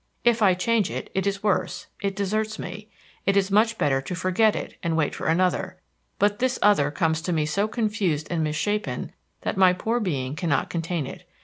If I change it, it is worse, it deserts me it is much better to forget it and wait for another; but this other comes to me so confused and misshapen that my poor being cannot contain it.